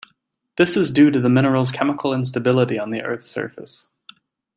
This is due to the mineral's chemical instability on the Earth's surface.